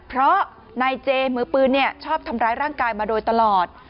เพราะนายเจมือปืนชอบทำร้ายร่างกายมาโดยตลอด